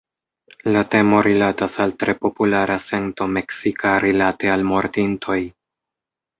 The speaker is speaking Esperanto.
La temo rilatas al tre populara sento meksika rilate al mortintoj.